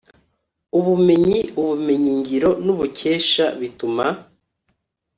ubumenyi, ubumenyingiro n’ubukesha bituma: